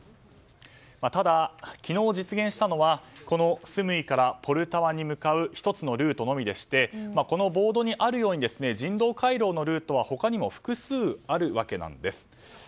ただ、昨日実現したのはスムイからポルタワに向かう１つのルートのみでしてこのボードにあるように人道回廊のルートは他にも複数あるわけなんです。